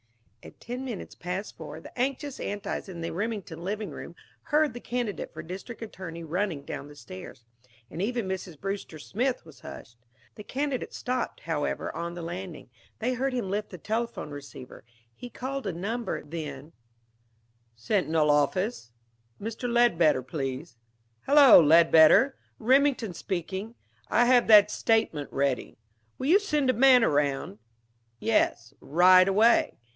At ten minutes past four, the anxious Antis in the Remington living room heard the candidate for district attorney running down the stairs, and even Mrs. Brewster Smith was hushed. The candidate stopped, however, on the landing. They heard him lift the telephone receiver. He called a number. Then "Sentinel office?... Mr. Ledbetter, please.... Hello, Ledbetter! Remington speaking. I have that statement ready. Will you send a man around?... Yes, right away.